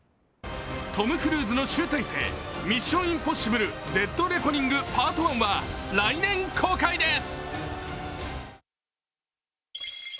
トム・クルーズの集大成、「ミッション：インポッシブル／デッドレコニングパートワン」は来年公開です。